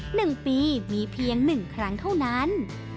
หนึ่งปีมีเพียงหนึ่งครั้งเท่านั้น